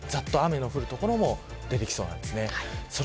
ざっと雨の降る所も出てきそうです。